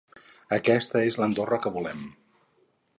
Aquesta és l’Andorra que volem.